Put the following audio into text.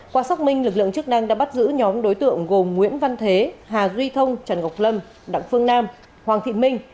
qua xác minh lực lượng chức năng đã bắt giữ nhóm đối tượng gồm nguyễn văn thế hà duy thông trần ngọc lâm đặng phương nam hoàng thị minh